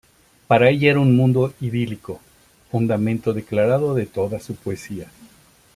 Para ella era un mundo idílico, fundamento declarado de toda su poesía.